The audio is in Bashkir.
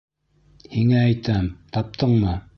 Һиңә әйтәм, таптыңмы?